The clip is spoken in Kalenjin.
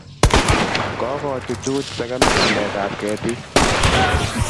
Kokochuchchuch segemik tiletap ketik